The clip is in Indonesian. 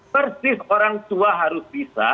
persis orang tua harus bisa